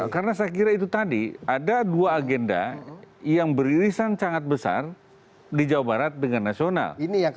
karena saya kira itu tadi ada dua agenda yang beririsan sangat besar di jawa barat dengan nasional